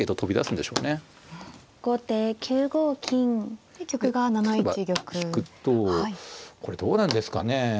で例えば引くとこれどうなんですかね。